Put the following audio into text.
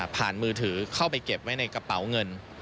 มือถือเข้าไปเก็บไว้ในกระเป๋าเงิน